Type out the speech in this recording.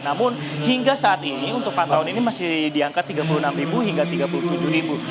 namun hingga saat ini untuk pantauan ini masih di angka tiga puluh enam hingga tiga puluh tujuh ribu